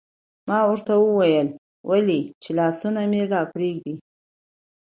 ما ورته وویل: ولې؟ چې لاسونه مې راپرېږدي.